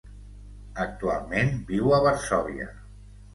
Actualment viu a Varsòvia.